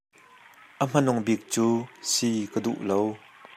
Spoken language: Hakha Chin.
A hmanungbik cu si ka duh lo.